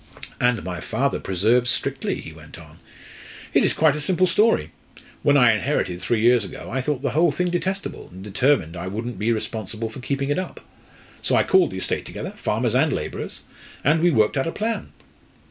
"And my father preserved strictly," he went on. "It is quite a simple story. When I inherited, three years ago, I thought the whole thing detestable, and determined I wouldn't be responsible for keeping it up. So I called the estate together farmers and labourers and we worked out a plan.